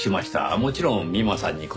もちろん美馬さんに断って。